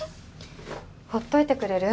ほっといてくれる？